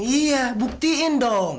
iya buktiin dong